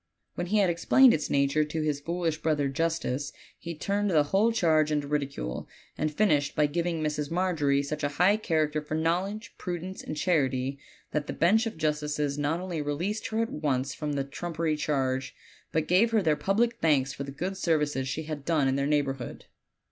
When he had explained its nature to his foolish brother justice he turned the whole charge into ridicule, and finished by giving Mrs. Margery such a high character for knowledge, prudence, and charity that the bench of justices not only released her at once from the trumpery charge, but gave her their public thanks for the good services she had done in their neighborhood.